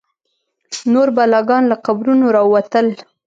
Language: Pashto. نور بلاګان له قبرونو راوتل.